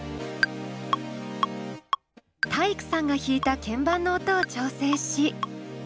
体育さんが弾いた鍵盤の音を調整し。